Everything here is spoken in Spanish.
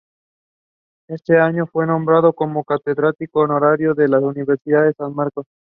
Ese año fue nombrado como Catedrático Honorario de la Universidad de San Marcos.